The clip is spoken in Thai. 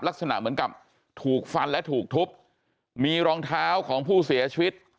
ลักษณะเหมือนกับถูกฟันและถูกทุบมีรองเท้าของผู้เสียชีวิต